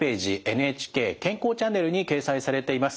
「ＮＨＫ健康チャンネル」に掲載されています。